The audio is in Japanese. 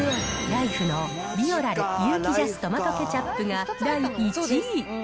ライフのビオラル有機ＪＡＳトマトケチャップが第１位。